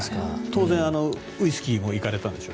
当然、ウイスキーもいかれたんでしょ？